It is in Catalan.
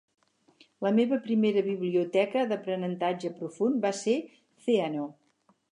La meva primera biblioteca d'aprenentatge profund va ser Theano.